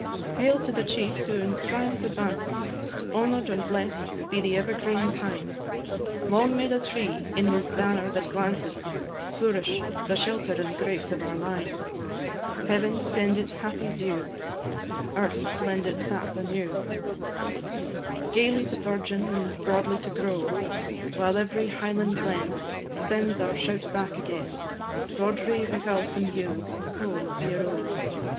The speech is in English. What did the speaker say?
Hail to the chief who in triumph advances! Honour'd and bless'd be the ever green pine! Long may the tree, in his banner that glances, Flourish, the shelter and grace of our line! Heaven send it happy dew, Earth lend it sap anew, Gaily to bourgeon, and broadly to grow, While every Highland glen Sends our shout back agen, Roderigh Vich Alpine dhu, ho! ieroe!